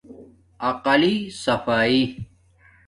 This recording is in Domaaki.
عقلی صفایݵ